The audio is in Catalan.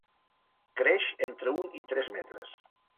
Creix entre un i tres metres.